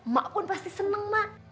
mak pun pasti senang mak